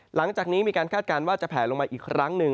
หลังจากนี้มีการคาดการณ์ว่าจะแผลลงมาอีกครั้งหนึ่ง